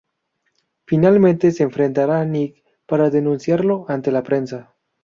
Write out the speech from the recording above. Finalmente se enfrentará a Nick para denunciarlo ante la prensa.